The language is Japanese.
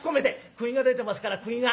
くぎが出てますからくぎが。